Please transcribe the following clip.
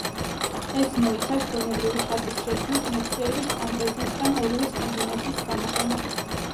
ეს მოიცავს გონებრივი ხატის შექმნას მეხსიერების, ფანტაზიის, ან ორივეს კომბინაციის გამოყენებით.